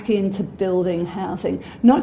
kembali ke dalam membangun rumah